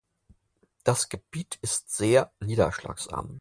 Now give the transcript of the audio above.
Das Gebiet ist sehr niederschlagsarm.